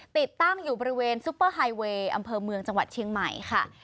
ติดตั้งอยู่บริเวณซุปเปอร์ไฮเวย์อำเภอเมืองจังหวัดเชียงใหม่ค่ะ